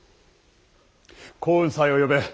耕雲斎を呼べ。